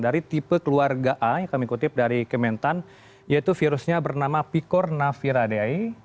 dari tipe keluarga a yang kami kutip dari kementan yaitu virusnya bernama pikornaviradeay